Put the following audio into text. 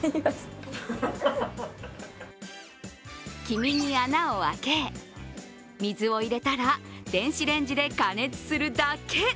黄身に穴を開け、水を入れたら電子レンジで加熱するだけ。